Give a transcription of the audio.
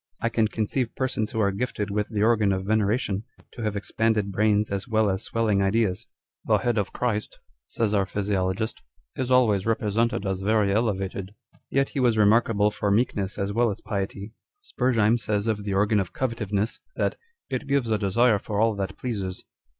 I can conceive persons who arc gifted with the organ of venera tion to have expanded brains as well as swelling ideas. " The head of CHRIST," says our physiologist, " is always represented as very elevated." â€" Yet he was remarkable for meekness as well as piety. Spurzheim says of the organ of covetiveness, that " it gives a desire for all that pleases."